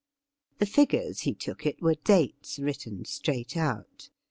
The figures, he took it, were dates written straight out.